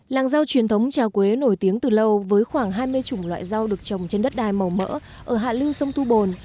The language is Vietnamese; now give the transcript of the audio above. làng rau truyền thống trà quế nổi tiếng từ lâu với khoảng hai mươi chủng loại rau được trồng trên đất đai màu mỡ ở hạ lưu sông thu bồn